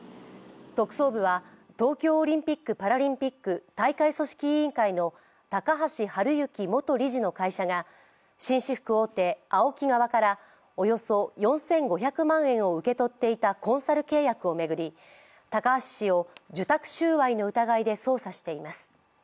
特捜部は東京オリンピック・パラリンピック大会組織委員会の高橋治之元理事の会社が紳士服大手ＡＯＫＩ側からおよそ４５００万円を受け取っていたコンサル契約を巡り高橋氏を受託収賄の疑いで捜査しています。